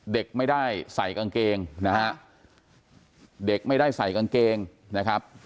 เด็กไม่ได้ใส่กางเกงนะฮะเด็กไม่ได้ใส่กางเกงนะครับ